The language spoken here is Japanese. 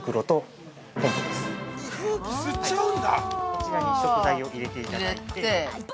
◆こちらに食材を入れていただいて。